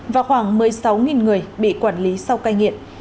và khoảng một mươi sáu người bị quản lý sau cai nghiện